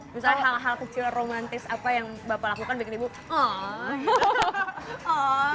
misalnya hal hal kecil romantis apa yang bapak lakukan bikin ibu